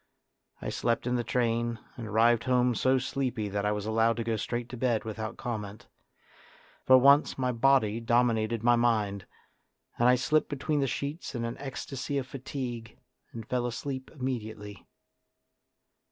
I slept in the train, and arrived home so sleepy that I was allowed to go straight to bed without comment. For once my body dominated my mind, and I slipped between the sheets in an ecstasy of fatigue and fell asleep immediately.